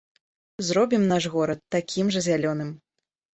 Зробім наш горад такім жа зялёным!